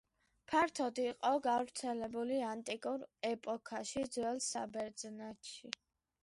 ფართოდ იყო გავრცელებული ანტიკურ ეპოქაში ძველ საბერძნეთში.